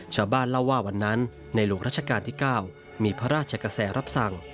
ชาวบ้านเล่าว่าวันนั้นในหลวงราชการที่๙มีพระราชกระแสรับสั่ง